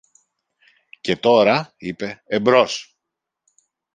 Και τώρα, είπε, εμπρός!